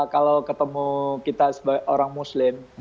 kalau ketemu kita sebagai orang muslim